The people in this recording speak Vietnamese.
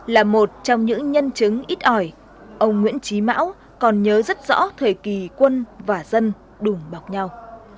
là một trong những nhân chứng ít ỏi ông nguyễn trí mão còn nhớ rất rõ thời kỳ quân và dân đùm bọc nhau